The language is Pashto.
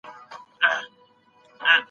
ادم عليه سلام د علم په مټ پر پرشتو برلاسی سو.